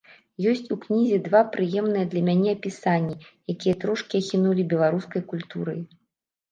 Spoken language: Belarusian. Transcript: Ёсць у кнізе два прыемныя для мяне апісанні, якія трошкі ахінулі беларускай культурай.